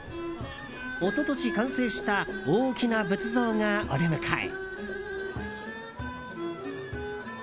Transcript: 一昨年、完成した大きな仏像がお出迎え。